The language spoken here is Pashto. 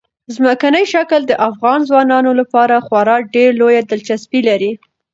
ځمکنی شکل د افغان ځوانانو لپاره خورا ډېره لویه دلچسپي لري.